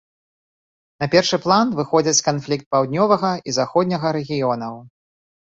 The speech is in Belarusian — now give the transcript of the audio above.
На першы план выходзяць канфлікт паўднёвага і заходняга рэгіёнаў.